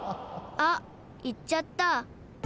あっいっちゃった。